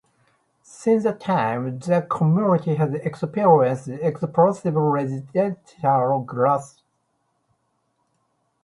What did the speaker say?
Since that time, the community has experienced explosive residential growth.